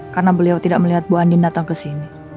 karena beliau tidak melihat ibu andin datang kesini